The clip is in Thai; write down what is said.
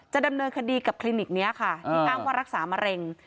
ดำเนินคดีกับคลินิกนี้ค่ะที่อ้างว่ารักษามะเร็ง